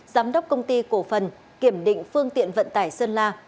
giám đốc công ty cổ phần kiểm định phương tiện vận tải sơn la